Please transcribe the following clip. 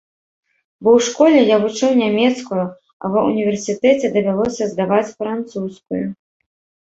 Бо ў школе я вучыў нямецкую, а ва ўніверсітэце давялося здаваць французскую.